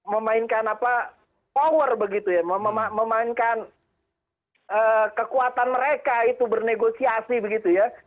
memainkan apa power begitu ya memainkan kekuatan mereka itu bernegosiasi begitu ya